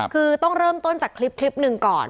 คือต้องเริ่มต้นจากคลิปหนึ่งก่อน